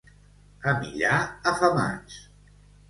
A Millà, afamats.